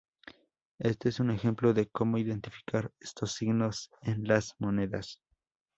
Este es un ejemplo de como identificar estos signos en las monedas.